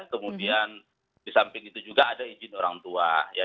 kemudian di samping itu juga ada izin orang tua ya